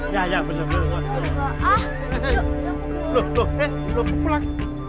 yaudah kita aja yuk yang masuk